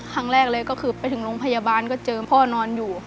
ครั้งแรกเลยก็คือไปถึงโรงพยาบาลก็เจอพ่อนอนอยู่